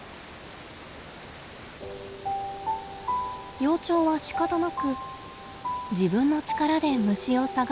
幼鳥はしかたなく自分の力で虫を探し始めました。